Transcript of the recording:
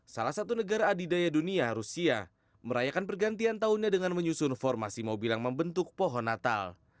salah satu negara adidaya dunia rusia merayakan pergantian tahunnya dengan menyusun formasi mobil yang membentuk pohon natal